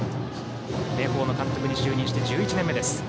明豊の監督に就任して１１年目。